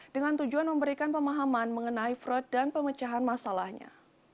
dengan tujuan memberikan pemahaman mengenai fraud dan pemecahan masalahnya